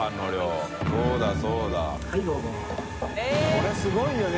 これすごいよね。